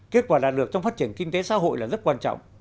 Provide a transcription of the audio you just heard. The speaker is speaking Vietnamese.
kết quả đạt được trong phát triển kinh tế xã hội là rất quan trọng